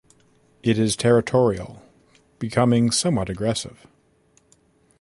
It is territorial, becoming somewhat aggressive.